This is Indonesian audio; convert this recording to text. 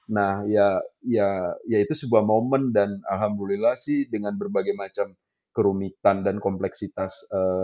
nah ya ya itu sebuah momen dan alhamdulillah sih dengan berbagai macam kerumitan dan kompleksitas